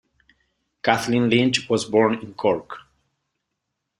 Kathleen Lynch was born in Cork.